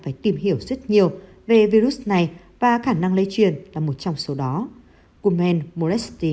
phải tìm hiểu rất nhiều về virus này và khả năng lây truyền là một trong số đó